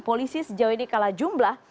polisi sejauh ini kalah jumlah